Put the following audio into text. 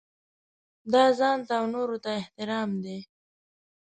دا ځانته او نورو ته احترام دی.